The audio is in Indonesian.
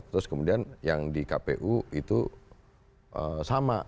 terus kemudian yang di kpu itu sama